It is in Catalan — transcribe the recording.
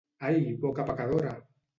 Ai, boca pecadora!